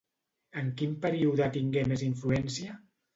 En quin període tingué més influència?